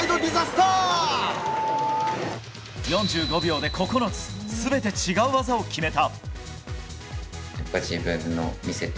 ４５秒で９つ全て違う技を決めた。